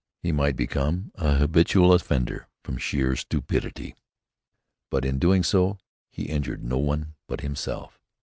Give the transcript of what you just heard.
He might become an habitual offender from sheer stupidity, but in doing so, he injured no one but himself.